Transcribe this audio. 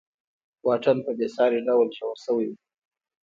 واټن په بېساري ډول ژور شوی و.